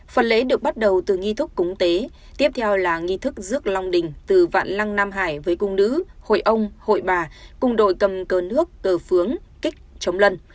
phần lễ được bắt đầu từ nghi thức cúng tế tiếp theo là nghi thức rước long đình từ vạn lăng nam hải với cung nữ hội ông hội bà cùng đội cầm cờ nước cờ phướng kích chống lân